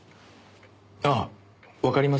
あっわかります？